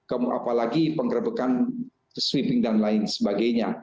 apalagi penggrebekan sweeping dan lain sebagainya